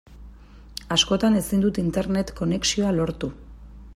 Askotan ezin dut Internet konexioa lortu.